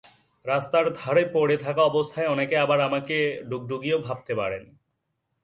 রাস্তার ধারে পড়ে থাকা অবস্থায় অনেকে আবার আমাকে ডুগডুগিও ভাবতে পারেন।